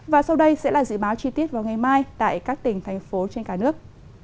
và sau đây sẽ là dự báo chi tiết vào ngày mai tại các tỉnh thành phố trên cả nước